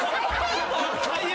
最悪！